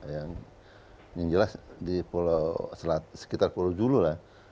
yang jelas di pulau sekitar pulau julu lah